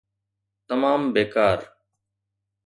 تمام بيڪار.